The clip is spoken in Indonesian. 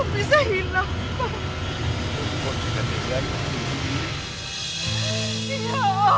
kemana mayat anak kami ya allah